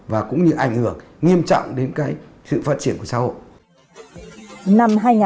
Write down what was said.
và cũng như ảnh hưởng nghiêm trọng đến cái sự phát triển của xã hội